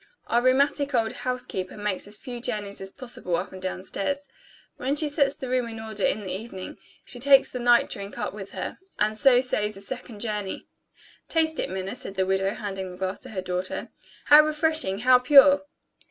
"Our rheumatic old housekeeper makes as few journeys as possible up and down stairs. When she sets the room in order in the evening, she takes the night drink up with her, and so saves a second journey." "Taste it, Minna," said the widow, handing the glass to her daughter. "How refreshing! how pure!"